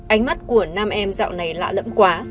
ánh mắt của nam em dạo này lạ lẫm quá